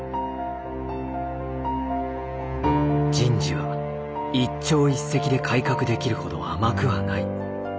人事は一朝一夕で改革できるほど甘くはない。